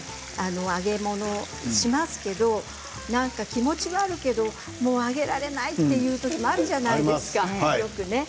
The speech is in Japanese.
揚げ物をしますけどなんか気持ちはあるけれどもう揚げられないという時もあるじゃないですか、よく。